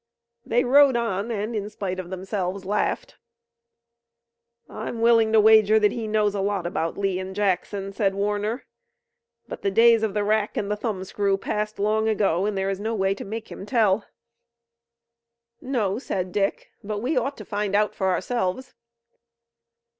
They rode on and, in spite of themselves, laughed. "I'm willing to wager that he knows a lot about Lee and Jackson," said Warner, "but the days of the rack and the thumbscrew passed long ago, and there is no way to make him tell." "No," said Dick, "but we ought to find out for ourselves."